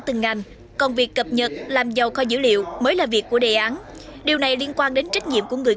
từng ngành còn việc cập nhật làm giàu kho dữ liệu mới là việc của đề án điều này liên quan đến trách nhiệm của người